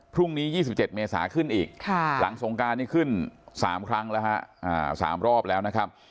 พรุ่งนี้๒๗เมษาขึ้นอีกหลังสงการนี้ขึ้น๓ครั้งแล้วฮะ๓รอบแล้วนะครับ